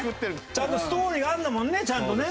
ストーリーがあるんだもんねちゃんとね。